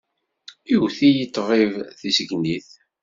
Iwet-iyi ṭṭbib tissegnit.